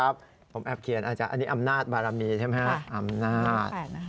ผมแอบเขียนอาจจะอันนี้อำนาจบารมีใช่ไหมฮะอำนาจ